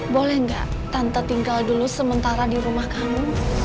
boleh nggak tante tinggal dulu sementara di rumah kamu